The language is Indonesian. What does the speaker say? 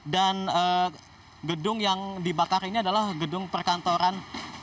dan gedung yang dibakar ini adalah gedung perkantoran